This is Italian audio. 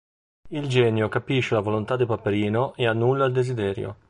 Il genio capisce la volontà di Paperino e annulla il desiderio.